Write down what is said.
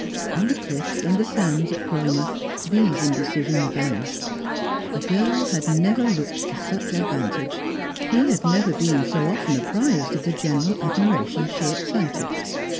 On the cliffs and the sands at Cromer, these indecisions vanished. The girl had never looked to such advantage; he had never been so often apprised of the general admiration she excited.